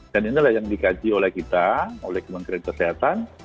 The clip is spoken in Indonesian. dan inilah yang dikaji oleh kita oleh kementerian kesehatan